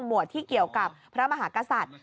วดที่เกี่ยวกับพระมหากษัตริย์